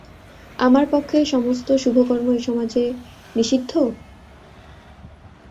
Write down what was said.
আমার পক্ষে সমস্ত শুভকর্ম এ সমাজে নিষিদ্ধ?